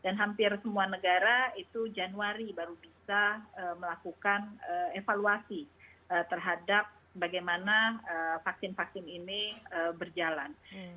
dan hampir semua negara itu januari baru bisa melakukan evaluasi terhadap bagaimana vaksin vaksin ini berjalan